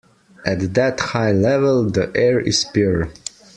At that high level the air is pure.